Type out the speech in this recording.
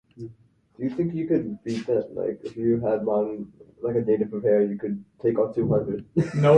Hubbard, however, never accepted that he had been mistaken about the battle.